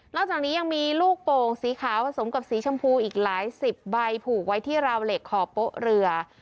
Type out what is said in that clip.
จากนี้ยังมีลูกโป่งสีขาวผสมกับสีชมพูอีกหลายสิบใบผูกไว้ที่ราวเหล็กขอบโป๊ะเรือ